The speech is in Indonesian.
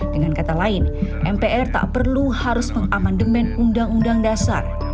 dengan kata lain mpr tak perlu harus mengamandemen undang undang dasar